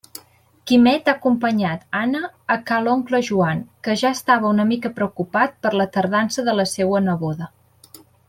Quimet ha acompanyat Anna a ca l'oncle Joan, que ja estava una mica preocupat per la tardança de la seua neboda.